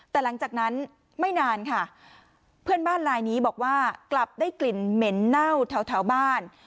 แต่หลังจากนั้นไม่นานค่ะเพื่อนบ้านลายนี้บอกว่ากลับได้กลิ่นเหม็นเน่าแถวบ้าน